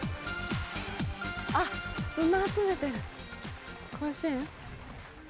あっ砂集めてる甲子園？